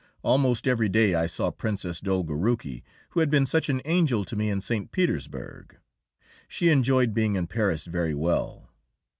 Almost every day I saw Princess Dolgoruki, who had been such an angel to me in St. Petersburg. She enjoyed being in Paris very well.